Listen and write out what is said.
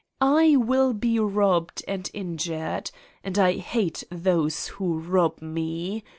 I will be robbed and in jured. And I hate those who rob me.